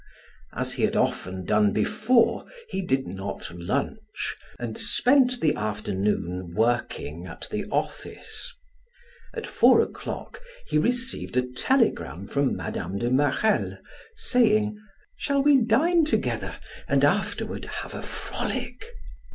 As he had often done before, he did not lunch, and spent the afternoon working at the office. At four o'clock he received a telegram from Mme. de Marelle, saying: "Shall we dine together and afterward have a frolic?"